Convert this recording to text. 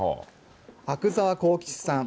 阿久澤幸吉さん